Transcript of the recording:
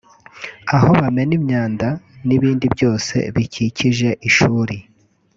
aho bamena imyanda n’ibindi byose bikikije ishuri